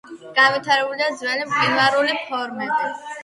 განვითარებულია ძველი მყინვარული ფორმები.